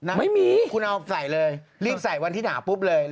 ไม่มีคุณเอาใส่เลยรีบใส่วันที่หนาปุ๊บเลย